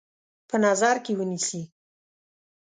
په نظر کې ونیسي.